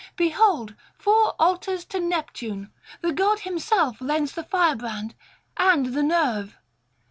Behold four altars to Neptune; the god himself lends the firebrand and the nerve.'